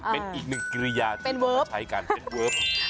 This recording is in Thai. เป็นอีกหนึ่งกิริยาที่เขาใช้กันเป็นเวิร์ฟ